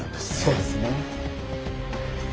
そうですね。